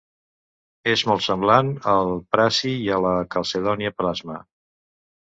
És molt semblant al prasi i a la calcedònia plasma.